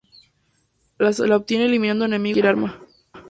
La obtienes eliminando enemigos con cualquier arma.